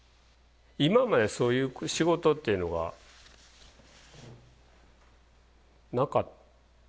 今までそういう仕事っていうのがなかったですね。